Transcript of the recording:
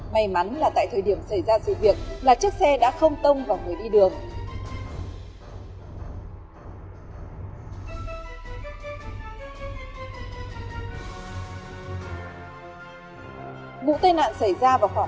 may mắn là tại thời điểm xảy ra sự việc là chiếc xe đã không tông vào người đi đường